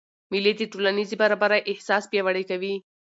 مېلې د ټولنیزي برابرۍ احساس پیاوړی کوي.